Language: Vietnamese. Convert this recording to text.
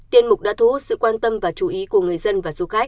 tiên mục đã thu hút sự quan tâm và chú ý của người dân và du khách